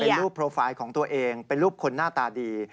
เป็นรูปโปรไฟล์ของตัวเองเป็นรูปคนหน้าตาดี